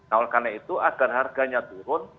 awal awal itu agar harganya turun